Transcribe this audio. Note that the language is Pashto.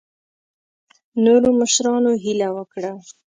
نورو مشرانو هیله وکړه.